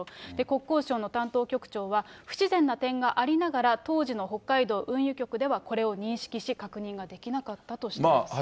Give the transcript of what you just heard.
国交省の担当局長は、不自然な点がありながら、当時の北海道運輸局では、これを認識し、確認できなかったとしています。